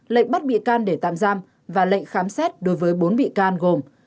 lệnh bắt bị can để tạm giam và lệnh khám xét đối với bốn bị can gồm